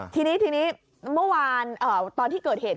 ทีนี้ทีนี้เมื่อวานตอนที่เกิดเหตุ